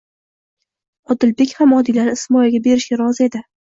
Odilbek ham Odilani Ismoilga berilishga rozi edi.